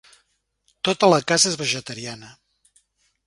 Tota la casa és vegetariana.